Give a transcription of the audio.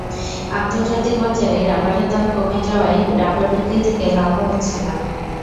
আন্তর্জাতিক বাজারে রাবারের দাম কমে যাওয়ায় রাবার বিক্রি থেকে লাভও হচ্ছে না।